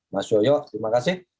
mas yoyo terima kasih